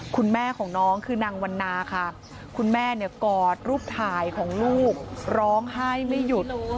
คุณแม่กอดรูปถ่ายของลูกร้องให้ไม่หยุด